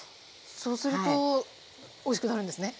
そうするとおいしくなるんですね？